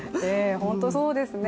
本当にそうですね。